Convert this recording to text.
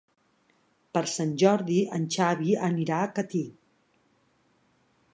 Per Sant Jordi en Xavi anirà a Catí.